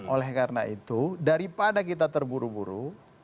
oleh karena itu daripada kita terburu buru